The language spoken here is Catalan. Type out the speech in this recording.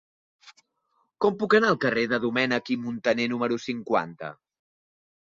Com puc anar al carrer de Domènech i Montaner número cinquanta?